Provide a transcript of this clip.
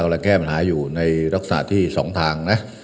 กำลังแก้ปัญหาอยู่ในรักษาที่สองทาง